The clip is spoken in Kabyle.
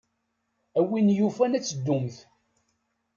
A win yufan ad teddumt.